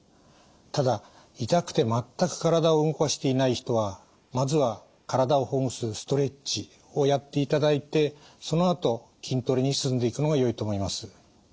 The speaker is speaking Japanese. ただ痛くて全く体を動かしていない人はまずは体をほぐすストレッチをやっていただいてそのあと筋トレに進んでいくのがよいと思います。